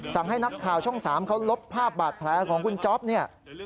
ให้นักข่าวช่อง๓เขาลบภาพบาดแผลของคุณจ๊อปเนี่ย